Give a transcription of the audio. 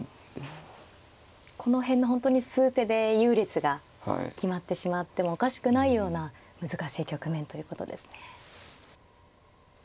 この辺の本当に数手で優劣が決まってしまってもおかしくないような難しい局面ということですね。